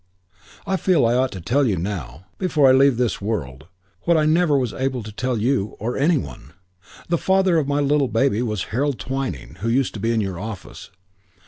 I feel I ought to tell you now, before I leave this world, what I never was able to tell you or any one. The father of my little baby was Harold Twyning who used to be in your office.